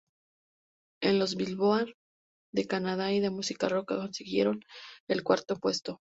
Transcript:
En los "Billboard" de Canadá y de música rock consiguieron el cuarto puesto.